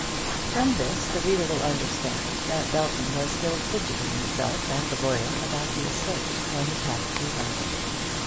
From this the reader will understand that Belton was still fidgeting himself and the lawyer about the estate when he passed through London.